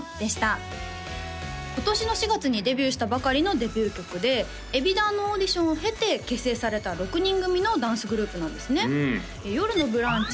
今年の４月にデビューしたばかりのデビュー曲でＥＢｉＤＡＮのオーディションを経て結成された６人組のダンスグループなんですねうん「よるのブランチ」